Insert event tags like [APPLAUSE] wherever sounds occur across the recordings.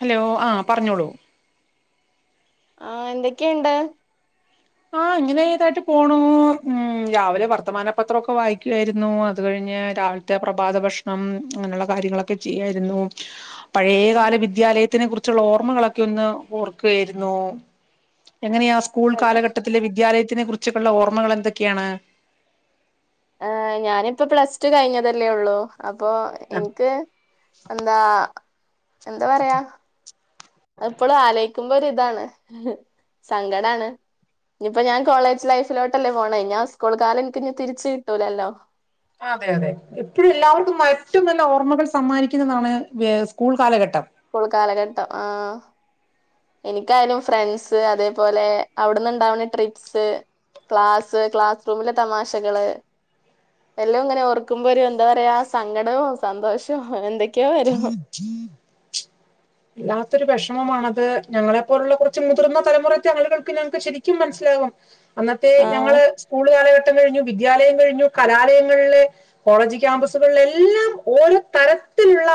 Hello ആ, പറഞ്ഞോളൂ. ആ എന്തൊക്കെയുണ്ട്. ആ, ഇങ്ങനെ ഇതായിട്ട് പോണു, ഉം രാവിലെ വർത്തമാനപത്രമൊക്കെ വായിക്കു ആയിരുന്നു. അത് കഴിഞ്ഞു രാവിലത്തെ പ്രഭാത ഭക്ഷണം അങ്ങനെയുള്ള കാര്യങ്ങളൊക്കെ ചെയ്യായിരുന്നു. ഉം പഴയകാല വിദ്യാലയത്തിനെ കുറിച്ചുള്ള ഓർമ്മകളൊക്കെ ഒന്ന് ഓർക്കയായിരുന്നു. എങ്ങനെയാ സ്കൂൾ എന്തല്ല കാലഘ വിദ്യാലയത്തിനെ കുറിച്ചൊക്കുള്ള ഓർമ്മകൾ എന്തൊക്കെയാണ്. ആ ഞാനിപ്പ പ്ലസ് ടു കഴിഞ്ഞതല്ലേ ഉള്ളൂ. അപ്പൊ എനിക്ക് എന്താ എന്താ പറയാ. എപ്പോളും ആലയിക്കുമ്പോ ഒരു ഇതാണ്, സങ്കടാണ്. ഇനിയിപ്പോ ഞാൻ കോളേജ് ലൈഫിലോട്ടല്ലേ പോണേ, ഇനി ആ സ്കൂൾ കാലം എനിക്കിനി തിരിച്ചു കിട്ടൂലല്ലോ. അതെ അതെ എപ്പോഴും എല്ലാവർക്കും. ഏറ്റവും നല്ല ഓർമ്മകൾ സമ്മാനിക്കുന്നതാണ്. സ്കൂൾ കാലഘട്ടം. സ്കൂൾ കാലഘട്ടം ആ എനിക്കായാലും ഫ്രണ്ട്സ് അതേപോലെ അവിടുന്നണ്ടാവുന്ന ട്രിപ്സ്. ക്ലാസ് ക്ലാസ് റൂമിലെ തമാശകള്. എല്ലാം ഇങ്ങനെ ഓർക്കുമ്പോ ഒരു എന്താ പറയാ സങ്കടവും, സന്തോഷവും എന്തൊ വല്ലാത്തൊരു വഷ വിഷമമാണത് ഞങ്ങളെപ്പോലുള്ള കുറച്ച് മുതിർന്ന തലമുറക്കെ ആളുകൾക്ക് ഞങ്ങക്ക് ശരിക്കും മനസ്സിലാകും. അന്നത്തെ ആഹ് ഞങ്ങള് സ്കൂള് കാലഘ കഴിഞ്ഞു, വിദ്യാലയം കഴിഞ്ഞു കലാലയങ്ങളിലെ കോളേജ് ക്യാമ്പസുകളിൽ എല്ലാം ഓരോ തര ത്തിലുള്ള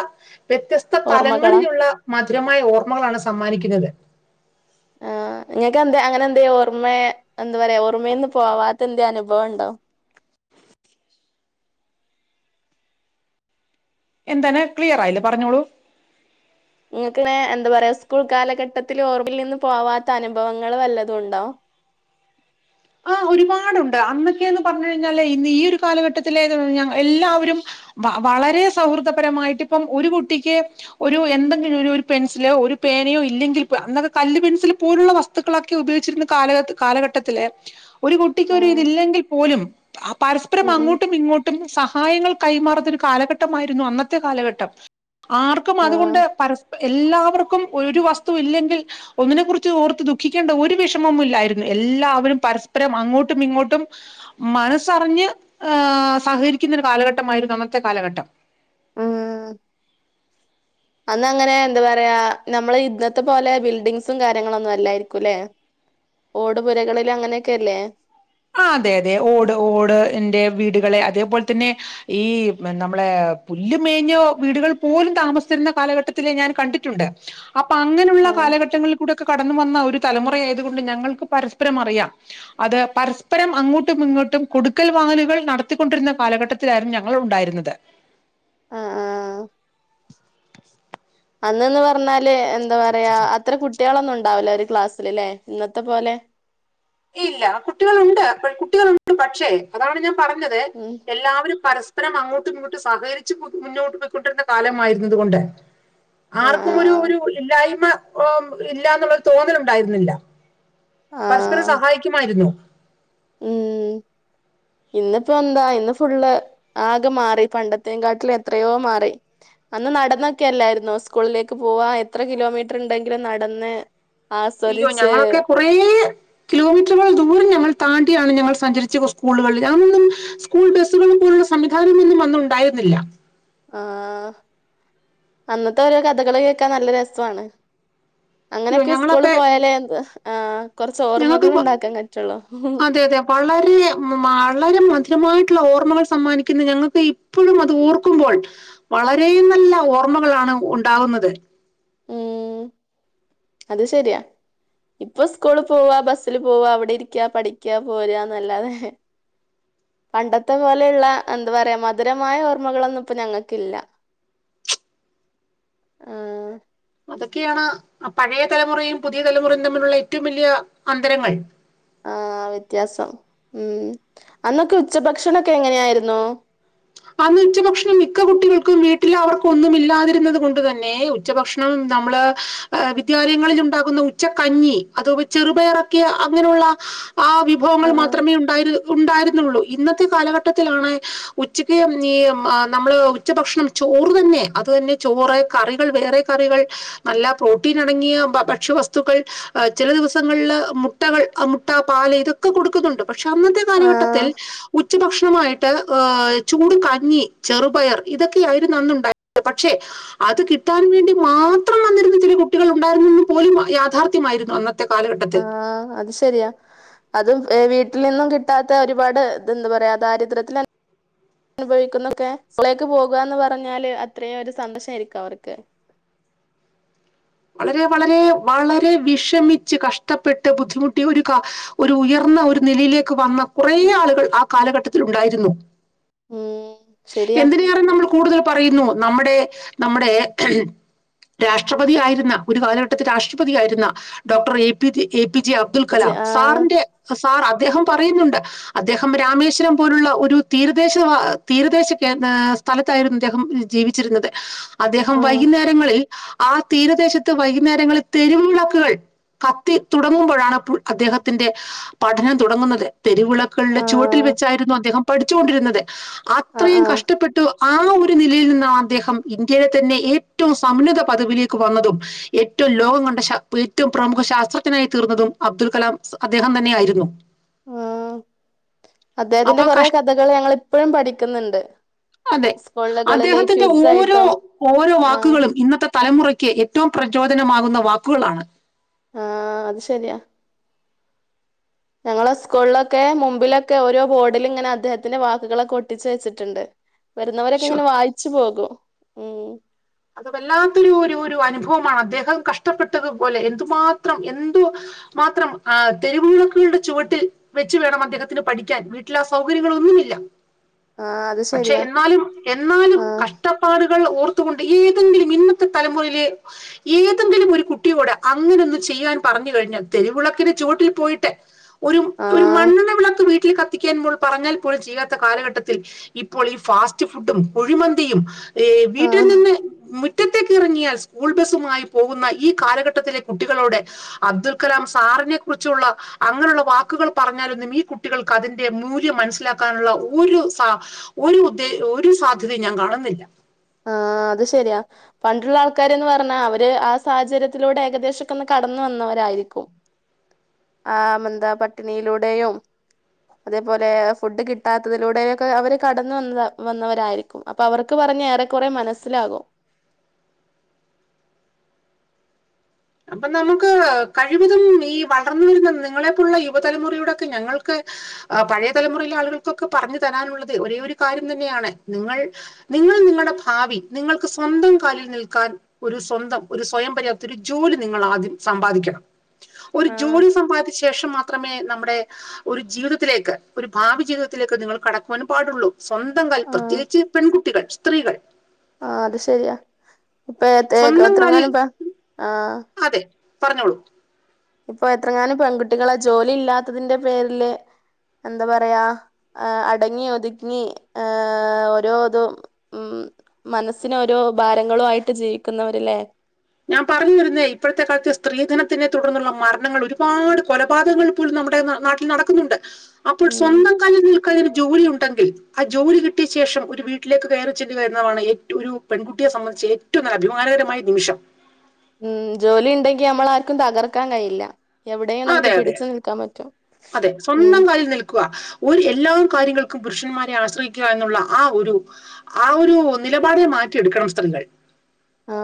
വ്യത്യസ്ത ഓർമ്മകളാ തലങ്ങളിലുള്ള മധുരമായ ഓർമ്മകളാണ് സമ്മാനിക്കുന്നത്. ആ നിങ്ങൾക്ക് എന്താ അങ്ങനെ എന്തേ ഓർമ എന്താ പറയാ ഓർമേന്ന് പോവാത്ത എന്ത അനുഭവം ഉണ്ടോ. എന്താണ് ക്ലിയർ ആയില്ല പറഞ്ഞോളൂ. നിങ്ങൾക്ക്, എന്താ പറയാ സ്കൂൾ കാലഘട്ടത്തിൽ ഓർമ്മയൽ നിന്ന്. പോവാത്ത അനുഭവങ്ങൾ വല്ലതും ഉണ്ടോ? [UNINTELLIGIBLE] ഒരുപാടുണ്ട് അന്നൊക്കെയന്ന് പറഞ്ഞു കഴിഞ്ഞാല് ഇ ഈ ഒരു കാലഘട്ടത്തിലെ എല്ലാവരും. മ വളരെ സൗഹൃദപരമായിട്ട് ഇപ്പം ഒരു കുട്ടിക്ക് ഒരു എന്തെങ്കിലും പെൻസിലോ ഒരു പേന യൊ ഇല്ലെങ്കിൽ അന്നൊക്കെ കല്ല് പെൻസിൽ പോലുള്ള വസ്തുക്കളൊക്കെ ഉപയോഗിച്ചിരുന്ന കാല കാലഘട്ടത്തില്. ഒരു കുട്ടിക്ക് ഒരു ആഹ് ഇതില്ലെങ്കിൽ പോലും പരസ്പരം ഉം ഉം അങ്ങോട്ടും ഇങ്ങോട്ടും. സ സഹായങ്ങൾ കൈമാറുന്നരു കാലഘട്ടമായിരുന്നു. അന്നത്തെ കാലഘട്ടം. ആർക്കും ആഹ് അതുകൊണ്ട് പരസ് എല്ലാവർക്കും. ഒരു വസ്തു ഇല്ലെങ്കിൽ ഒന്നിനെ കുറിച്ച് ഓർത്ത് ദുഃഖിക്കേണ്ട ഒരു വിഷമവും ഇല്ലായിരുന്നു എല്ലാവരും പര പ രം അങ്ങോട്ടും ഇങ്ങോട്ടും മനസ്സറിഞ്ഞ് ഹേ സഹകരിക്കുന്ന ഒരു കാലഘട്ടമായിരുന്നു അന്ന കാലഘട്ടം ആ അന്ന് അങ്ങനെ എന്താ പറയാ നമ്മള് ഇന്നത്തെ പോലെ ബിൽഡിങ്സും കാര്യങ്ങളൊന്നും അല്ലായിരിക്കും അല്ലെ ഓടുപുരകളിൽ അങ്ങനെയൊക്കെല്ലേ ആ അതെ അതെ ഓട് ഓട്ന്റെ വീടുകളെ അതേപോലെ തന്നെ ഈ നമ്മളെ പുല്ല് മേഞ്ഞോ വീടുകൾ പോലും താമസിച്ചരുന്ന കാലഘട്ടത്തില ഞാൻ കണ്ടിട്ടുണ്ട് അപ്പൊ അങ്ങനെയുള്ള ആഹ് കാലഘട്ടങ്ങളിൽ കൂടെക്കെ കടന്നു വന്ന ഒരു തലമുറ ആയത് കൊണ്ട് ഞങ്ങൾക്ക് പരസ്പരം അറിയാം അത് അപ്പരം അങ്ങോട്ടും ഇങ്ങോട്ടും കൊടുക്കൽ വാങ്ങലുകൾ നടത്തിക്കൊണ്ടിരുന്ന കാലഘട്ടത്തിലായിരുന്നു ഞങ്ങൾ ഉണ്ടായിരുന്നത് ആആ അന്നന്ന് പറഞ്ഞാല് എന്താ പറയാ അത്ര കുട്ടികളൊന്നും ഉണ്ടാവില്ലോ ഒരു ക്ലാസ്സല് ഇല്ലേ ഇന്നത്തെ പോലെ ഇല്ല കുട്ടികളുണ്ട് കുട്ടികളുണ്ട് പക്ഷെ അതാണ് ഞാൻ പറഞ്ഞത് ഉം എല്ലാവരും പരസ അപ്പരം അങ്ങോട്ടും ഇങ്ങോട്ടും സഹകരിച്ച് മുന്നോട്ട് പോയിക്കൊണ്ടിരുന്ന കാലമായിരുന്നു ഇത് കൊണ്ട് ആഹ് ആർക്കും ഒരു ആഹ് ഒരു ഇല്ലായ്മ ഇല്ലന്നുള്ളരു തോന്നല ഉണ്ടായിരുന്നില്ല ആ സഹായിക്കുമായിരുന്നു ഉം ഇന്നിപ്പോ എന്താ ഇന്ന് ഫുള്ള് ആകെ മാറി പണ്ടത്തേ കാട്ടില് എത്രയോ മാറി അന്ന് നടന്നൊക്കെ അല്ലായിരുന്നോ സ്കൂളിലേക്ക് പോവാ എത്ര കിലോമീറ്റർ ഉണ്ടെങ്കിലും നടന്ന് അയ്യോ ആസ്വദിച്ച് ഞങ്ങളൊക്കെ കുറേ കിലോമീറ്ററുകൾ ദൂരം ഞങ്ങൾ താ ണ്ടി ആണ് ഞങ്ങൾ സഞ്ചരിച്ച സ്കൂളുകളിൽ അന്നൊന്നും സ്കൂൾ ബസുകളും പോലുള്ള സംവിധാനം ഒന്നും അന്ന് ഉണ്ടായിരുന്നില്ല ആ അന്നത്തെ ഓരോ കഥകൾ കേക്കാൻ നല്ല രസാണ് അയ്യോ അങ്ങനെയൊക്കെ സ്കൂള് ഞങ്ങളൊക്കെ പോയാലേ ആ കൊറച്ച് ഞങ്ങൾക്ക് ഓർമ്മകൾ പ- ഉണ്ടാക്കാൻ കറ്റുള്ളൂ അതെ അതെ വളരെ വളരെ മധുരമായിട്ട് ഓർമ്മകൾ സമ്മാനിക്കുന്നത് ഞങ്ങൾക്ക് ഇപ്പോഴും അത് ഓർക്കുമ്പോൾ വളരെ നല്ല ഓർമ്മകളാണ് ഉണ്ടാവുന്നത് ഉം അത് ശരിയാ ഇപ്പൊ സ്കൂള പോവാ ബസില് പോവാ അവിടെ ഇരിക്കാ പഠിക്കാ പോരാ എന്നല്ലാതെ പണ്ടത്തെ പോലെയുള്ള എന്താ പറയാ മധുരമായ ഓർമ്മകളൊന്നും ഇപ്പൊ ഞങ്ങൾക്കില്ല ആ അതൊക്കെയാണ് പഴയ തലമുറയും പുതിയ തലമുറയും തമ്മിലുള്ള ഏറ്റവും വലിയ അന്തരങ്ങൾ ആവ്യത്യാസം ഉം അന്നൊക്കെ ഉച്ചഭക്ഷണൊക്കെ എങ്ങനെയായിരുന്നു അന്ന് ഉച്ചഭക്ഷണം മിക്ക കുട്ടികൾക്കും വീട്ടിൽ അവർക്കും ഒന്നും ഇല്ലാതിരുന്നത് കൊണ്ട് തന്നെ ഉച്ചഭക്ഷണം നമ്മള് വിദ്യാലയങ്ങളിൽ ഉണ്ടാകുന്ന ഉച്ചക്കഞ്ഞി അതെ ചെറുപയറക്കിയ അങ്ങനെയുള്ള ആ വിഭവങ്ങൾ ആഹ് മാത്രമേ ഉണ്ടായി ഉണ്ടായിരുന്നുള്ളു ഇന്നത്തെ കാലഘട്ടത്തിലാണ് ഉച്ചക്ക് ഈ നമ്മള് ഉച്ചഭക്ഷണം ചോറ് തന്നെ അത് തന്നെ ചോറ കറികൾ വേറെ റികൾ നല്ല പ്രോട്ടീൻ അടങ്ങിയ ഭക്ഷ്യവസ്തുക്കൾ ചില ദിവസങ്ങളില് മുട്ടകൾ മുട്ട പാൽ ഇതൊക്കെ കൊടുക്കുന്നുണ്ട് പക്ഷെ അന്നത്തെ കാലഘട്ടത്തിൽ ആഹ് ഉച്ച ഭക്ഷണമായിട്ട് ചൂട് കഞ്ഞി ചെറുപയർ ഇതൊക്കെയായിര്ന്നുഅന്ന് ഉണ്ടായ പക്ഷെ അത് കിട്ടാൻ വേണ്ടി മാത്രം വന്നിരുന്ന ചില കുട്ടികൾ ഉണ്ടായിരുന്നെന്ന് പോലും യാഥാർത്ഥ്യമായിരുന്നു അന്ന ആ അത് ശരിയാ അതും ഏ വീട്ടിൽ നിന്നും കിട്ടാത്ത ഒരുപാട് ഇത് എന്താ പറയാ ദാരിദ്ര്യത്തില അനുഭവിക്കുന്നൊക്കെ സ്കളേക്ക് പോകുകന്ന് പറഞ്ഞാല് അത്രയും ഒരു സന്തോഷ ആരിക്കും അവർക്ക് [INAUDIBLE] വളരെ വളരെ വളരെ വിഷമിച്ച് കഷ്ടപ്പെട്ട് ബുദ്ധിമുട്ടി ഒരു ഒരു ഉയർന്ന ഒരു നിലയിലേക്ക് വന്ന കുറെേ ആളുകൾ ആ കാലഘട്ടത്തിൽ ഉണ്ടായിരുന്നു ഉം ശരിയാ എന്തിനേറെ നമ്മൾ കൂടുതൽ പറയുന്നു നമ്മുടെ നമ്മുടെ രാഷ്ട്രപതിയയി ആയിരു ന്ന ഒരു കാലഘട്ടത്തി രാഷ്ട്രപതിയായിരുന്ന ഡോക്ടർ എ പി തി എ പി ജെ അബ്ദുൾ ഇജ് കലാം ആഹ് സാറിന്റെ സാർ അദ്ദേഹം പറയുന്നുണ്ട് അദ്ദേഹം രാമേശ്വരം പോലുള്ള ഒരു തീരദേശ വാ തീരദേശ ഏ സ്ഥലത്തായിരുന്നു അദ്ദേഹം ജീവിച്ചിരുന്നത് അദ്ദേഹം ആഹ് വൈകുന്നേരങ്ങളിൽ ആ തീരദേശ ത്ത് വൈകുന്നേരങ്ങളിൽ തെരുവ്വിളക്കുകൾ കത്തി തുടങ്ങുമ്പോഴാണ് ഇപ്പോൾ അദ്ദേഹത്തിന്റെ പഠനം തുടങ്ങുന്നത് തെരുവിളക്കളുടെ ചുവട്ടിൽ ആഹ് വെച്ചായിരുന്നു അദ്ദേഹം പഠിച്ചുകൊണ്ടിരുന്നത് ആഹ് അത്രയും ആഹ് കഷ്ടപ്പെട്ടു ആ ഒരു നിലയിൽ നിന്നാണ് അദ്ദേഹം ഇന്ത്യയിലെ തന്നെ ഏറ്റവും സമന്നത പദവിലേക്ക് വന്നതും ഏറ്റവും ലോകം കണ്ട ഏറ്റവും പ്രമുഖ ശാസ്ത്രജ്നായി തീർന്നതും അബ്ദുൽ കലാം അദ്ദേഹം തന്നെ ആയിരുന്നു ആ അദ്ദേഹത്തിന്റെ അപ്പൊ കൊറെ കഷ് കഥകൾ ഞങ്ങ ഇപ്പോഴും പഠിക്കുന്നുണ്ട് അതെ സ്കൂളുകളില് അദ്ദേഹത്തിന്റെ ക്യൂസ് ഓരോ ആയിട്ടും ഓരോ ആഹ് വാക്കുകളും ഇന്നത്തെ തലമുറയ്ക്ക് ഏറ്റവും പ്രചോദനമാകുന്ന വാക്കുകളാണ് ആ അത് ശരിയാ ഞങ്ങള സ്കൂളിലൊക്കെ മുമ്പിലൊക്കെ ഓരോ ബോർഡില ഇങ്ങനെ അദ്ദേഹത്തിന്റെ വാക്കുകളൊക്കെ ഒട്ടിച്ചു വെച്ചിട്ടുണ്ട് വരുന്നവരൊക്കെ ശോ ഇങ്ങനെ വായിച്ചു പോകും മം അത് വല്ലാത്തൊ ഒരു ഒരു അനുഭവമാണ് അദ്ദേഹം കഷ്ടപ്പെട്ടതുപോലെ എന്തുമാത്രം എന്തു മാത്രം തെരുവിുളക്കുകളുടെ ചുവട്ടിൽ വെച്ച വേണം അദ്ദേഹത്തിന് പഠിക്കാൻ വീട്ടില ആ സൗകര്യങ്ങളൊന്നും ആ അത് പക്ഷെ ശരിയാ എന്നാലും എന്നാലും ആ കഷ്ടപ്പാടുകൾ ഓർത്തു കൊണ്ട ഏതെങ്കിലും ഇന്നത്തെ തലമുറയിലെ ഏതെങ്കിലും ഒരു കുട്ടിയോട്‌ അങ്ങനെ ഒന്ന് ചെയ്യാൻ പറഞ്ഞിരു തെരുവിളക്കിന്റെ ചോട്ടിൽ പോയിട്ട് ഒരു ആ ഒരു മണ്ണണ്ണ വിളക്ക് വീ ട്ടിൽ കത്തിക്കാൻ പറഞ്ഞാൽ പോലും ചെയ്യാത്ത കാലഘട്ടത്തിൽ ഇപ്പോൾ ഈ ഫാസ്റ്റ് ഫുഡും കുഴിമന്തിയും ഏ ആ വീട്ടിൽ നിന്ന് മുറ്റത്തേക്ക് ഇറങ്ങിയാൽ സ്കൂൾ ബസുമായി പോകുന്ന ഈ കാലഘട്ടത്തിലെ കുട്ടികളോട്‌ അബ്ദുൽ കലാം സാറിനെ കുറിച്ചുള്ള അങ്ങനെയുള്ള വാക്കുകൾ പറഞ്ഞാലൊന്നും ഈ കുട്ടികൾക്ക് അതിന്റെ മൂല്യം മനസ്സിലാക്കാനുള്ള ഒരു സ ഒരു ഉദ്ദേ ഒരു സാധ്യതയും ഞാൻ കാണുന്നില്ല ആ അത് ശെരിയാ പണ്ടുള്ള ആൾക്കാരന്ന് പറഞ്ഞാ അവര് ആ സാഹചര്യത്തിലൂടെ ഏകദേശൊക്കെ ഒന്ന് കട കടന്ന് വന്നവരായിരിക്കും ആ എന്താ പട്ടിണിയിലൂടെയും അതേപോലെ ഫുഡ് കിട്ടാത്തതിലൂടെൊക്കെ അവര് കടന്ന വന്ന വന്നവരായിരിക്കും അപ്പൊ അവർക്ക് പറഞ്ഞഞ് ഏറെൊക്ക കുറെ മനസ്സിലാകും അപ്പൊ നമുക്ക് കഴിവതും ഈ വളർന്ന വരുന്ന നിങ്ങളെപ്പോലുള്ള യുവതലമുറയോടൊക്കെ ഞങ്ങൾക്ക് പഴയ തലമുറയിലെ ആളുകൾക്കൊക്കെ പറഞ്ഞു തരാനുള്ളത് ഒരേ ഒരു കാര്യം തന്നെയാണ് നിങ്ങൾ നിങ്ങൾ നിങ്ങളുടെ ഭാവി നിങ്ങൾക്ക് സ്വന്തം കാലിൽ നിൽക്കാൻ ഒരു സ്വന്തം ഒരു സ്വയം പര്യാപ്ത ഒരു ജോലി നിങ്ങൾ ആദ്യം സമ്പാദിക്കണം ഒരു ആ ജോലി സമ്പാദിച്ച ശേഷം മാത മാത്രമേ നമ്മുടെ ഒരു ജീവിതത്തിലേക്ക് ഒരു ഭാവി ജീവിതത്തിലേക്ക് നിങ്ങൾ കടക്കുവാൻ പാടുള്ളൂ സ്വന്തം കൽ ആ പ്രത്യേകിച്ച് പെൺകുട്ടികൾ സ്ത്രീകൾ ഇപ്പെയെക്കെ സ്വന്തം കാലിൽ എത്രങ്ങാനും ഇപ്പ ആ അതെ പറഞ്ഞോളൂ ഇപ്പൊ എത്രങ്ങാനം പെൺകുട്ടികളാ ജോലി ഇല്ലാത്തതിന്റെ പേരില് എന്താ പറയാ അടങ്ങി ഒതുങ്ങി ഏ ഓരോതും മം മനസ്സിന ഓരോ ഭാരങ്ങളും ആയിട്ട് ജീവിക്കുന്നവരല്ലേ ഞാൻ പറഞ്ഞു വരുന്നേ ഇപ്പോഴത്തെ കാലത്ത് സ്ത്രീധനത്തിനെ തുടർന്നുള്ള മരണങ്ങൾ ഒരുപാട് കൊലപാതകങ്ങൾ പോലും ന നമ്മുടെ നാട്ടിൽ നടക്കുന്നുണ്ട് അപ്പോൾ ഉം സ്വന്തം കാലിൽ നിൽ ക്ക് ജോലി ഉണ്ടെങ്കിൽ ആ ജോലി കിട്ടിയ ശേഷം ഒരു വീട്ടിലേക്ക് കയറിചെന്ന് വരുന്ന വാണ് ഏറ്റ ഒരു പെൺകുട്ടി സംബന്ധിച്ച് ഏറ്റവും നല്ല അഭിമാനകരമായ നിമഷം ഉം ജോലി ണ്ടെങ്കിൽ നമ്മളെ ആർക്കും തകർക്കാൻ കഴിയില്ല. എവിടെയും അതെ നമുക്ക് അതെ പിടിച്ചു നിൽക്കാൻ പറ്റും അതെ ഉം സ്വന്തം കാലിൽ നിൽക്കുവാ ഒരു എല്ലാ കാര്യങ്ങൾക്കും. പുരുഷന്മാരെ ആശ്രയിക്കുക എന്നുള്ള ആ ഒരു ആ ഒരു നിലപാടെ മാറ്റിയെടുക്കണം സ്ത്രീകൾ. ആ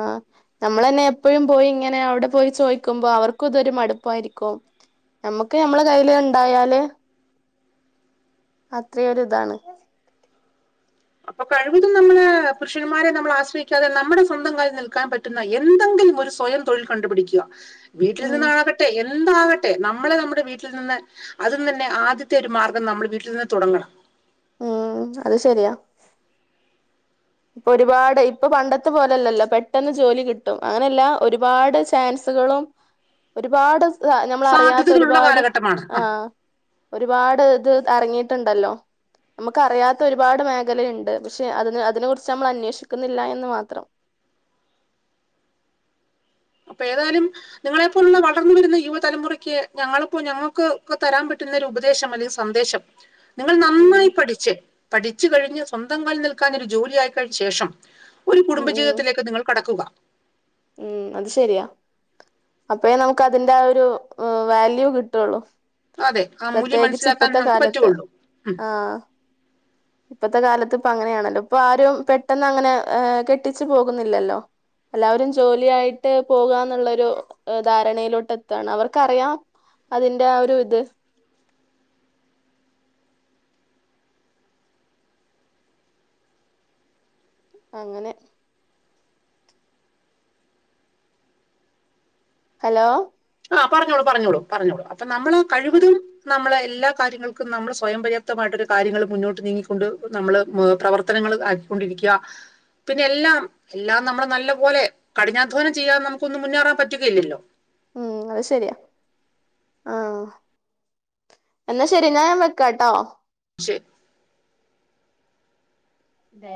നമ്മൾ തന്നെ എപ്പഴും പോയി ഇങ്ങനെ അവിടെ പോയി ചോയ്ക്കുമ്പോ അവർക്കും ഇതൊരു മടുപ്പായിരിക്കും. നമ്മുക്ക് ഞമ്മളെ കയ്യില് ഇണ്ടായാല് അത്രയൊരി ഇതാണ് അപ്പൊ കഴിവതും നമ്മള് പുരുഷന്മാരെ നമ്മൾ ആശ്രയിക്കാതെ നമ്മുടെ സ്വന്തം കാലിൽ നിൽക്കാൻ പറ്റുന്ന എന്തെങ്കിലും ഒരു സ്വയം തൊഴിൽ കണ്ടുപിടിക്കുക വീട്ടിൽ ഉം നിന്നാണാകട്ടെ ഐ എന്താകട്ടെ നമ്മളെ നമ്മുടെ വീട്ടിൽ നിന്ന് അതി തന്നെ ആദ്യത്തെ ഒരു മാർഗം നമ്മൾ വീട്ടിൽ നിന്ന് തുടങ്ങണം ഉം അത് ശരിയാ ഇപ്പൊ ഒരുപാട് ഇപ്പൊ പണ്ടത്തെ പോലല്ലല്ലോ പെട്ടെന്ന് ജോലി കിട്ടും അങ്ങനെയല്ല ഒരുപാട് ചാൻസ് സുകളും ഒരുപാട് സ നമ്മൾ അറിയാത്ത സാധ്യതകളുള്ള ഒരുപാട് കാലഘട്ടമാണ് ആ ആഹ ഒരുപാട് ഇത് ഇറങ്ങിയിട്ടുണ്ടല്ലോ നമുക്ക് അറിയാത്ത ഒരുപാട് മേഖലയുണ്ട് പക്ഷെ അതിന് അതിനെ കുറി ച്ച് നമ്മൾ അന്വേഷിക്കുന്നില്ല എന്ന് മാത്രം അപ്പൊ ഏതായാലും നിങ്ങളെപ്പോലുള്ള വളർന്നു വരുന്ന യുവതലമുറയ്ക്ക് ഞങ്ങളിപ്പോ ഞങ്ങൾക്ക് ക്ക് തരാൻ പറ്റുന്ന ഉപദേശം അല്ലെങ്കിൽ സന്ദേശം നിങ്ങൾ ഉം നന്നായി പഠിച്ച് പഠിച്ചു കഴിഞ്ഞ് സ്വന്തം കാലിൽനിൽക്കാൻ ഒരു ജോലി ആയിക്കഴിഞ്ഞ ശേഷം ഒരു ഉം ഉം കുടുംബജീവിതത്തിലേക്ക് നിങ്ങൾ കടക്കുക ഉം അത് ശെരിയാ അപ്പ നമുക്ക് അതിന്റെ ആ ഒരു വാല്യൂ കിട്ടുള്ളു അതെ ആ മൂല്യം പ്രത്യേകിച്ച് മനസ്സിലാക്കാൻ ഇപ്പത്തെ നമുക്ക് കാലത്ത് പറ്റുകയുള്ളൂ ഉം. ആ ഇത്തെ കാലത്ത് ഇപ്പൊ അങ്ങനെയാണല്ലോ ഇപ്പൊ ആരും പെട്ടെന്ന് അങ്ങനെ കെട്ടിച്ചു പോകുന്നില്ലല്ലോ എല്ലാവരും ജോലിയായിട്ട് പോകാ എന്നുള്ളൊരു ധാരണയിലോട്ട് എത്തുയാണ് അവർക്കറിയാം അതിന്റെ ആ ഒരു ഇത് അങ്ങനെ ഹലോ ആ പറഞ്ഞോളൂ പറഞ്ഞോളൂ പറഞ്ഞോളൂ അപ്പൊ നമ്മൾ കഴിവതും നമ്മളെ എല്ലാ കാര്യങ്ങൾക്കും നമ്മൾ സ്വയം പര്യാപ്തമായിട്ടൊരു കാര്യങ്ങൾ മുന്നോട്ട് നീങ്ങിക്കൊണ്ട് നമ്മൾ പ്രവർത്തനങ്ങൾ കൊണ്ടിരിക്കയ പിന്നെ എല്ലാം എല്ലാം നമ്മള് നല്ല പോലെ കഠിനാധ്വാനം ചെയ്യാതെ നമുകൊന്നും മുന്നേറാൻ പറ്റുകയില്ലല്ലോ ഉം അത് ശരിയാ ആഹ് എന്നാ ശരി ഞാൻ വെക്കാട്ടോ വിഷ് തെ